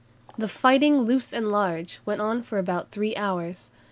The "fighting loose and at large" went on for about three hours.